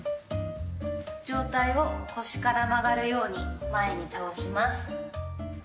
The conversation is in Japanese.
上体を腰から曲がるように前に倒します。